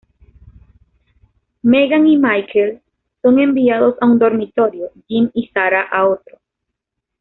Megan y Michael son enviados a un dormitorio, Jim y Sara a otro.